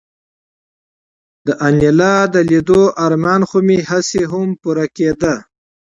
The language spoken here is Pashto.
د انیلا د لیدو ارمان خو مې هسې هم پوره کېده